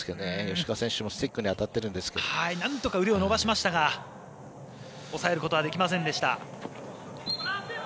吉川選手もスティックになんとか腕を伸ばしましたが押さえることはできませんでした。